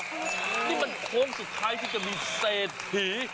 นี่มันโค้งสุดท้ายที่จะมีเศรษฐี